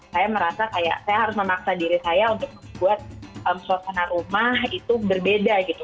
saya merasa kayak saya harus memaksa diri saya untuk membuat suasana rumah itu berbeda gitu